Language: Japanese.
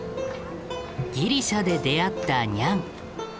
ギリシャで出会ったニャン。